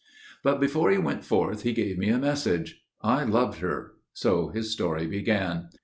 But before he went forth he gave me a message. "I loved her," so his story began.